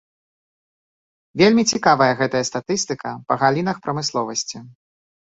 Вельмі цікавая гэтая статыстыка па галінах прамысловасці.